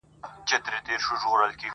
زه دغه ستا د يوازيتوب په معنا,